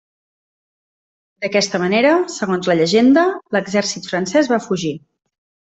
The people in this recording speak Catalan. D'aquesta manera, segons la llegenda, l'exèrcit francès va fugir.